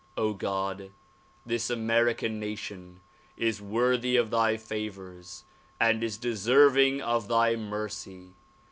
God ! This American nation is worthy of thy favors and is deserving of thy mercy.